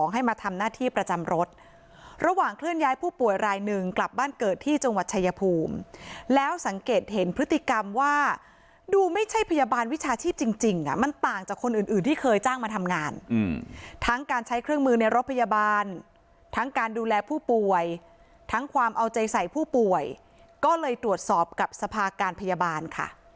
ให้มาทำหน้าที่ประจำรถระหว่างเคลื่อนย้ายผู้ป่วยรายหนึ่งกลับบ้านเกิดที่จังหวัดชายภูมิแล้วสังเกตเห็นพฤติกรรมว่าดูไม่ใช่พยาบาลวิชาชีพจริงมันต่างจากคนอื่นที่เคยจ้างมาทำงานทั้งการใช้เครื่องมือในรถพยาบาลทั้งการดูแลผู้ป่วยทั้งความเอาใจใส่ผู้ป่วยก็เลยตรวจสอบกับสภาการพยาบาลค่ะ